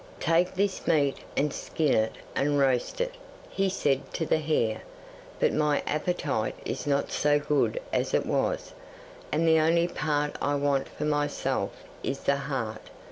'"Take this meat and skin it and roast it," he said to the hare; "but my appetite is not so good as it was, and the only part I want for myself is the heart.